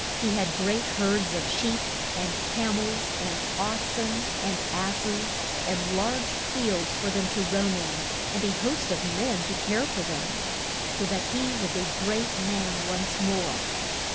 He had great herds of sheep, and cam els, and ox en and ass es, and large fields for them to roam in, and a host of men to care for them. So that he was a great man once more.